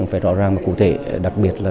phải rõ ràng và cụ thể đặc biệt là